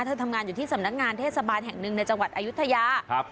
ทำงานอยู่ที่สำนักงานเทศบาลแห่งหนึ่งในจังหวัดอายุทยาครับ